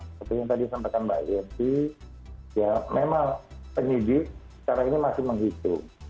seperti yang tadi sampaikan mbak yeni ya memang penyidik secara ini masih menghitung